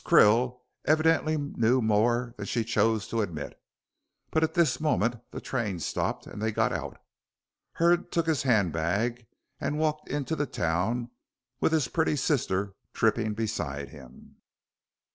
Krill evidently knew more than she chose to admit. But at this moment the train stopped, and they got out. Hurd took his handbag and walked into the town with his pretty sister tripping beside him.